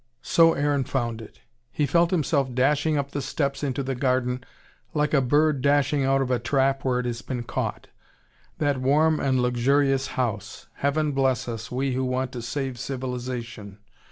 So Aaron found it. He felt himself dashing up the steps into the garden like a bird dashing out of a trap where it has been caught: that warm and luxurious house. Heaven bless us, we who want to save civilisation.